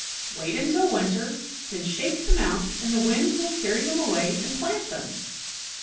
" Wait until winter, then shake them out and the wind will carry them away and plant ;A, them."